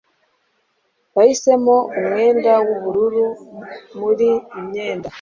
Yahisemo umwenda w'ubururu muri imyenda